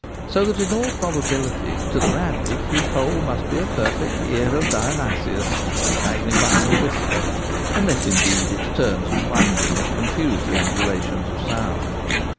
So that in all probability to the rabbit his hole must be a perfect 'Ear. of Dionysius/ magnifying a whisper — unless, indeed, its turns and windings confuse the undulations of sound.